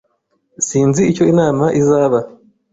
Sinzi icyo inama izaba.